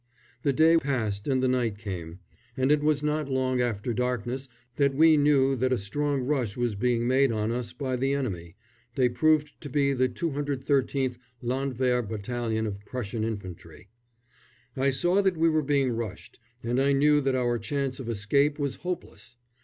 The day passed and the night came, and it was not long after darkness that we knew that a strong rush was being made on us by the enemy they proved to be the 213th Landwehr Battalion of Prussian Infantry. I saw that we were being rushed, and I knew that our chance of escape was hopeless.